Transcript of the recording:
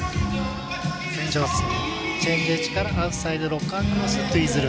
チェンジエッジからアウトサイドロッカークロスツイズル。